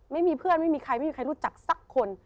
ไม่มีเพื่อนไม่มีใครไม่มีใครรู้จักสักคน